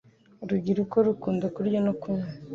urubyiruko rukunda kurya no kunywa